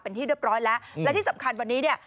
เป็นที่เรียบร้อยแล้วและที่สำคัญวันนี้เนี่ย